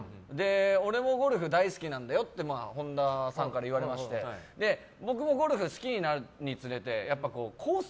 俺もゴルフ大好きなんだよって本田さんから言われまして僕もゴルフ好きになるにつれてコース